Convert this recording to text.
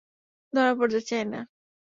ধরা পড়তে চাই না।